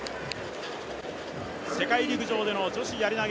世界陸上での女子やり投